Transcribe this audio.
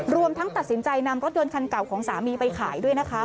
รวมทั้งตัดสินใจนำรถยนต์คันเก่าของสามีไปขายด้วยนะคะ